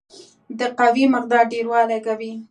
د قوې مقدار ډیروالی کوي.